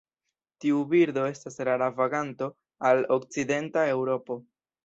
Tiu birdo estas rara vaganto al okcidenta Eŭropo.